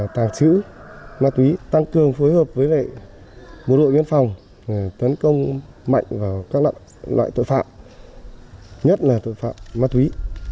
tăng cường phối hợp với đội biên phòng tấn công mạnh vào các loại tội phạm nhất là tội phạm ma túy